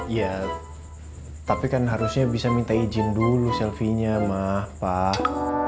ya tapi kan harusnya bisa minta izin dulu selfie nya mah pak